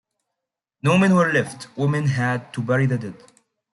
No men were left; women had to bury the dead.